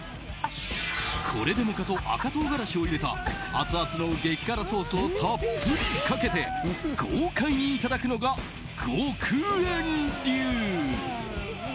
これでもかと赤唐辛子を入れたアツアツの激辛ソースをたっぷりかけて豪快にいただくのが獄炎流。